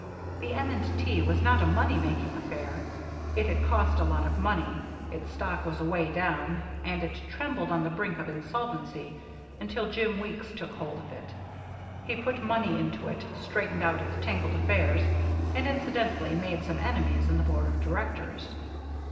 The M. & T. was not a money making affair; it had cost a lot of money, its stock was away down, and it trembled on the brink of insolvency until Jim Weeks took hold of it. He put money into it, straightened out its tangled affairs, and incidentally made some enemies in the board of directors.